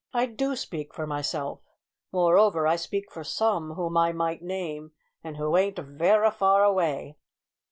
"I do speak for myself. Moreover, I speak for some whom I might name, and who ain't verra far away."